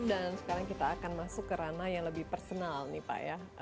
sekarang kita akan masuk ke ranah yang lebih personal nih pak ya